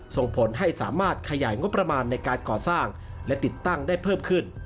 ส่งผลให้สามารถขยายงบประมาณในการก่อสร้างและติดตั้งได้เพิ่มขึ้น